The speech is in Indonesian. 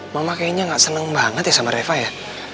mama kayaknya gak seneng banget ya sama reva ya